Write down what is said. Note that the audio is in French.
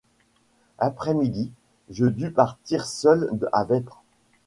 Après midi, je dus partir seul à vêpres.